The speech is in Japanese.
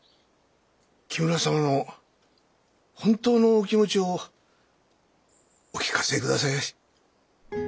木村様の本当のお気持ちをお聞かせ下さいまし。